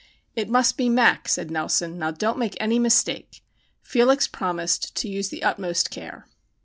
"It must be 'Mac,'" said Nelson. "Now don't make any mistake!" Felix promised to use the utmost care.